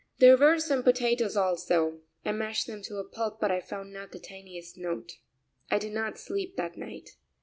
There were some potatoes also; I mashed them to a pulp, but I found not the tiniest note. I did not sleep that night.